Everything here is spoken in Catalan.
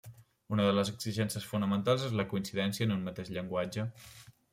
Una de les exigències fonamentals és la coincidència en un mateix llenguatge.